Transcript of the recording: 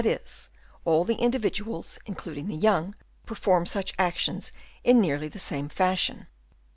I. is, all the individuals, including the young, perform such actions in nearly the same fashion.